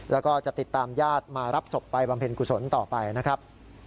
แล้วก็จะติดตามญาติมารับศพไปบำเพ็ญกุศลต่อไปนะครับ